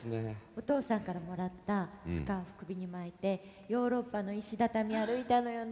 お父さんからもらったスカーフ首に巻いてヨーロッパの石畳歩いたのよね。